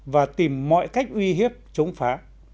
và tìm mọi cách uy hiếp chống phá